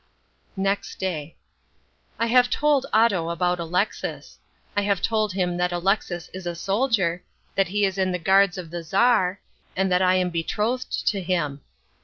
Next Day. I have told Otto about Alexis. I have told him that Alexis is a soldier, that he is in the Guards of the Czar, and that I am betrothed to him.